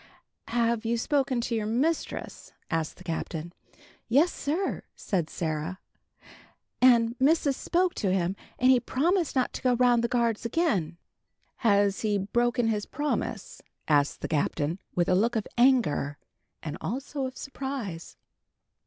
"Have you spoken to your mistress?" asked the Captain. "Yes, sir," said Sarah. "And missis spoke to him, and he promised not to go round the guards again." "Has he broken his promise?" asked the Captain, with a look of anger, and also of surprise.